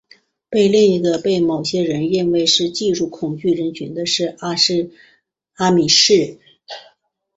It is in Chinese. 另一个被某些人认为是技术恐惧人群的是阿米什人。